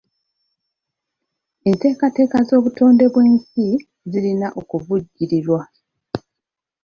Enteekateeka z'obutonde bw'ensi zirina okuvujjirirwa.